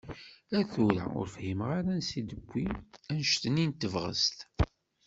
Ar tura ur fhimeɣ ara anisi d-tiwi anect-nni n tebɣest.